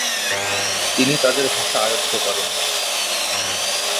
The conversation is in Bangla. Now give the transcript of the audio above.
তিনি তাদের ভাষা আয়ত্ত করেন।